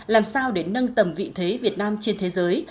làm sao để nâng tầm vị thế việt nam trên thế giới